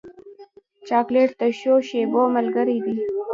چاکلېټ د ښو شېبو ملګری دی.